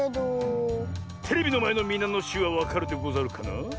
テレビのまえのみなのしゅうはわかるでござるかな？